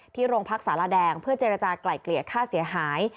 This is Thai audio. โรงพักสารแดงเพื่อเจรจากลายเกลี่ยค่าเสียหาย